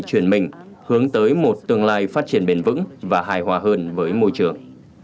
chuyển mình hướng tới một tương lai phát triển bền vững và hài hòa hơn với môi trường